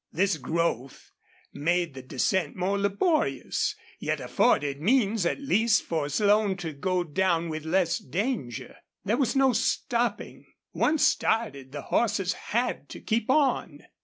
This growth made the descent more laborious, yet afforded means at least for Slone to go down with less danger. There was no stopping. Once started, the horses had to keep on.